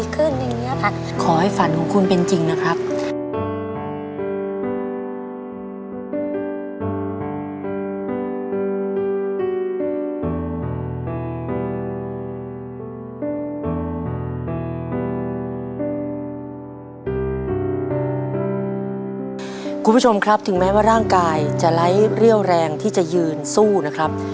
คุณผู้ชมครับถึงแม้ว่าร่างกายจะไร้เรี่ยวแรงที่จะยืนสู้นะครับ